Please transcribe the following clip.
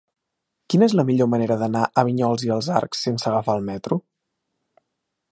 Quina és la millor manera d'anar a Vinyols i els Arcs sense agafar el metro?